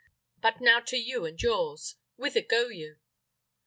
But now to you and yours. Whither go you?"